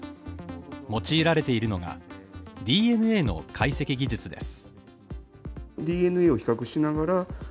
用いられているのがＤＮＡの解析技術です。